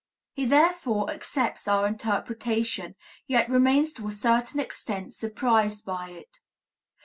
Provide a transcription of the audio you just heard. He therefore accepts our interpretation, yet remains to a certain extent surprised by it.